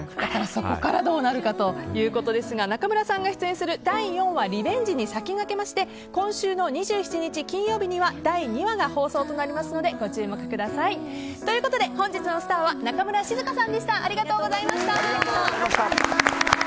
そこからどうなるかということですが中村さんが出演する第４話「リベンジ」に先駆けまして今週の２７日金曜日には第２話が放送となりますのでご注目ください。ということで、本日のスターは中村静香さんでした。